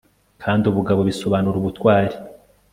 kandi ubugabo bisobanura ubutwari